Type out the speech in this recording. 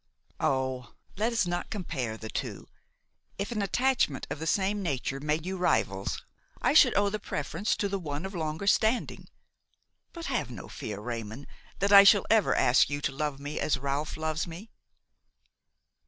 "Oh! let us not compare the two. If an attachment of the same nature made you rivals, I should owe the preference to the one of longer standing. But have no fear, Raymon, that I shall ever ask you to love me as Ralph loves me."